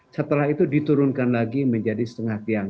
setelah itu diturunkan lagi menjadi setengah tiang